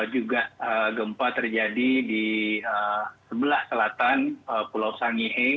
juga gempa terjadi di sebelah selatan pulau sangihe